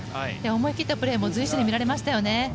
思い切ったプレーも随所に見られましたよね。